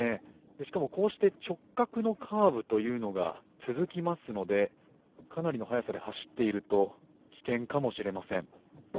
しかもこうして直角のカーブというのが続きますので、かなりの速さで走っていると危険かもしれません。